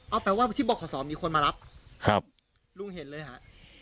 เอาแปลว่าที่บัวข่าวสอมมีคนมารับลุ่งเห็นเลยฮะ